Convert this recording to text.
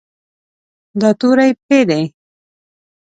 دا توری "پ" دی.